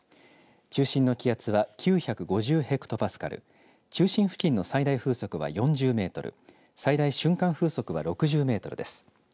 中心の気圧は９５０ヘクトパスカル、中心付近の最大風速は４０メートル、最大瞬間風速は６０メートルです。